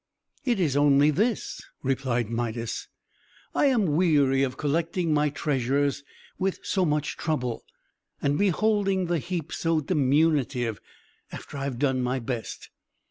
"It is only this," replied Midas. "I am weary of collecting my treasures with so much trouble, and beholding the heap so diminutive, after I have done my best.